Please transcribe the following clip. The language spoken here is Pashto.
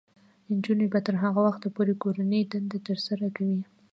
نجونې به تر هغه وخته پورې کورنۍ دندې ترسره کوي.